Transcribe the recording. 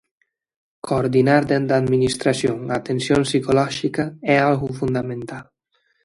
Coordinar dende a Administración a atención psicolóxica é algo fundamental.